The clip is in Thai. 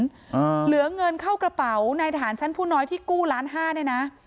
เหลือเงินเข้ากระเป๋าในทหารชั้นผู้น้อยที่กู้ล้านห้าเนี่ยนะ